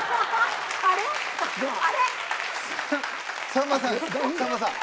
さんまさんさんまさん